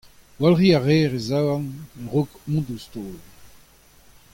Gwalc'hiñ a reer e zaouarn a-raok mont ouzh taol.